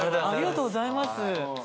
ありがとうございます。